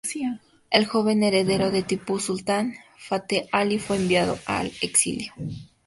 El joven heredero de Tipu Sultan, Fateh Ali, fue enviado al exilio.